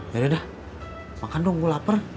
yaudah deh makan dong gue lapar